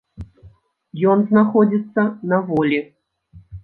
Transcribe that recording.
Ён знаходзіцца на волі.